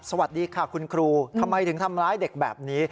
สวัสดีค่ะคุณครูทำไมถึงทำร้ายเด็กแบบนี้